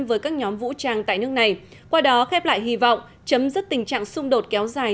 với các nhóm vũ trang tại nước này qua đó khép lại hy vọng chấm dứt tình trạng xung đột kéo dài